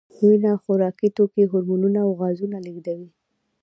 وینه خوراکي توکي، هورمونونه او غازونه لېږدوي.